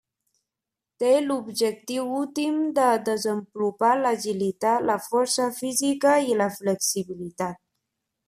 Té l'objectiu últim de desenvolupar l'agilitat, la força física i la flexibilitat.